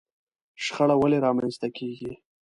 شخړه ولې رامنځته کېږي؟